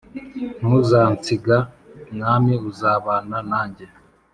Ntuzansiga mwaami uzabana nanjye